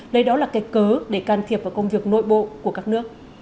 đây đó là kết cớ để can thiệp vào công việc nội bộ của các nước